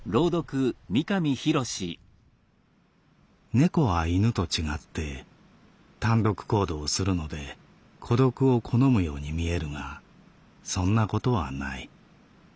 「猫は犬と違って単独行動をするので孤独を好むように見えるがそんなことはない。